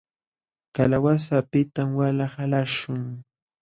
Kalawasa apitam wala qalaśhun.